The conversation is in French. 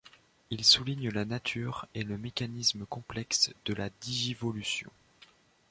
Il souligne la nature et le mécanisme complexe de la digivolution.